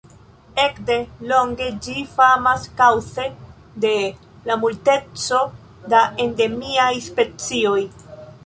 Ekde longe ĝi famas kaŭze de la multeco da endemiaj specioj.